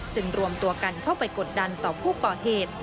รวมตัวกันเข้าไปกดดันต่อผู้ก่อเหตุ